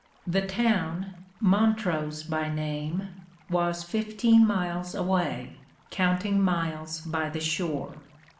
The town, Montrose by name, was fifteen miles away, counting miles by the shore.